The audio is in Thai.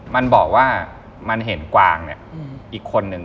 มันบอกว่ามันเห็นกวางเนี่ยอีกคนนึง